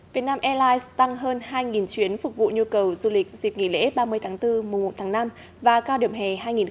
việt nam airlines tăng hơn hai chuyến phục vụ nhu cầu du lịch dịp nghỉ lễ ba mươi tháng bốn mùa một tháng năm và cao điểm hè hai nghìn hai mươi bốn